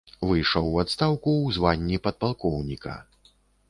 Выйшаў у адстаўку ў званні падпалкоўніка.